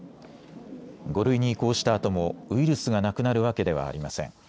５類に移行したあともウイルスがなくなるわけではありません。